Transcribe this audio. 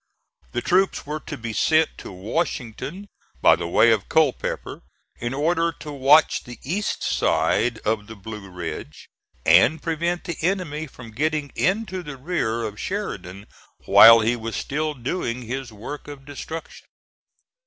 The troops were to be sent to Washington by the way of Culpeper, in order to watch the east side of the Blue Ridge, and prevent the enemy from getting into the rear of Sheridan while he was still doing his work of destruction.